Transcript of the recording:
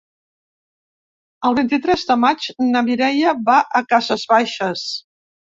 El vint-i-tres de maig na Mireia va a Cases Baixes.